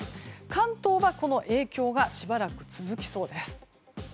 関東はこの影響がしばらく続きそうです。